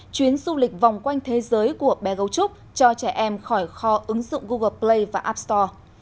chuyến du lịch vòng quanh thế giới của bé gấu trúc cho trẻ em khỏi kho ứng dụng google play và app store